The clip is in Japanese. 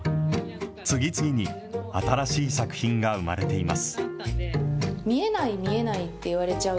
次々に新しい作品が生まれています。